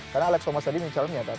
karena alex thomas tadi mencatatnya